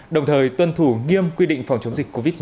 đồng thời tuân thủ nghiêm quy định phòng chống dịch covid một mươi chín